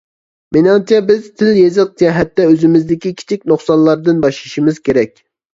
مېنىڭچە، بىز تىل-يېزىق جەھەتتە ئۆزىمىزدىكى كىچىك نۇقسانلاردىن باشلىشىمىز كېرەك.